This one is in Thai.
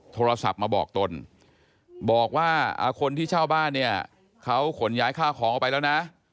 โทรศัพท์มาบอกตนบอกว่าคนที่เช่าบ้านเนี่ยเขาขนย้ายข้าวของออกไปแล้วนะ